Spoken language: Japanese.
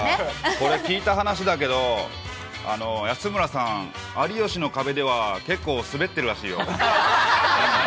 これ、聞いた話だけど、安村さん、有吉の壁では結構すべってるらしいよ。